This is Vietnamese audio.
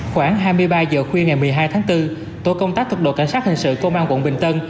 khoảng hai mươi ba giờ khuya ngày một mươi hai tháng bốn tổ công tác thuộc đội cảnh sát hình sự công an quận bình tân